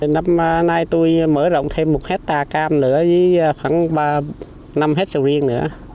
năm nay tôi mở rộng thêm một hectare cam nữa với khoảng năm hectare sầu riêng nữa